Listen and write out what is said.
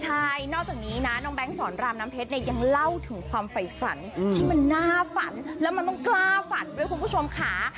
ใช่นอกจากนี้นะน้องแก๊งสอนรามน้ำเพชรเนี่ยยังเล่าถึงความไฝฝันที่มันน่าฝันแล้วมันต้องกล้าฝันด้วยคุณผู้ชมค่ะ